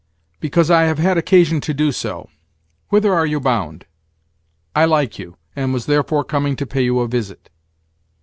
"Because I have had occasion to do so. Whither are you bound? I like you, and was therefore coming to pay you a visit."